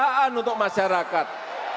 kesejahteraan untuk masyarakat